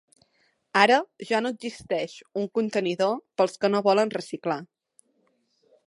Ara ja no existeix un contenidor pels que no volen reciclar.